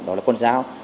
đó là con dao